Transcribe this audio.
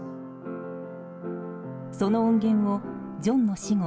その音源をジョンの死後